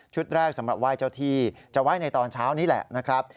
แรกสำหรับไหว้เจ้าที่จะไหว้ในตอนเช้านี้แหละนะครับ